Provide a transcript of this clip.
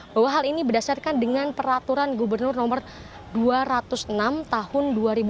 bahwa hal ini berdasarkan dengan peraturan gubernur nomor dua ratus enam tahun dua ribu dua puluh